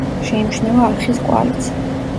შეიმჩნევა არხის კვალიც.